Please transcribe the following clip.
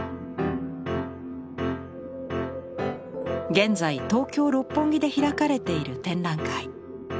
現在東京・六本木で開かれている展覧会。